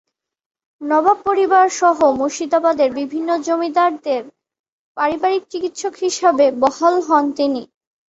নবাব পরিবার সহ মুর্শিদাবাদের বিভিন্ন জমিদারদের পারিবারিক চিকিৎসক হিসেবে বহাল হন তিনি।